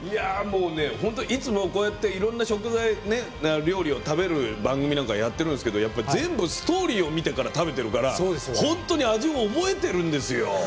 本当にいつもこうやっていろんな食材料理を食べる番組なんかやってるんですけどやっぱり全部ストーリーを見てから食べてるから本当に味を覚えてるんですよ。